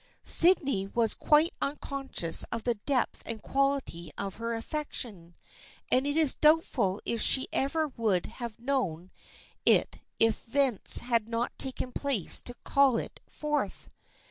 Sydney was quite unconscious of the depth and quality of her affection, and it is doubtful if she ever would have known it if events had not taken place to call it forth.